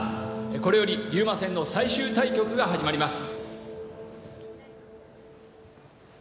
これより竜馬戦の最終対局が始まります。